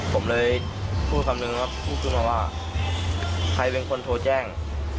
ผมเลยพูดคำนึงครับพูดขึ้นมาว่าใครเป็นคนโทรแจ้ง